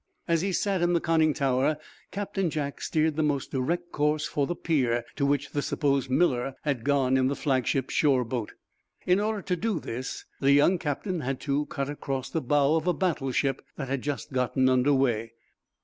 As he sat in the conning tower Captain Jack steered the most direct course for the pier to which the supposed Miller had gone in the flagship's shore boat. In order to do this, the young captain had to cut across the bow of a battleship that had just gotten under way.